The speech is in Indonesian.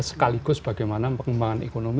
sekaligus bagaimana pengembangan ekonomi